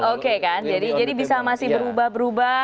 oke kan jadi bisa masih berubah berubah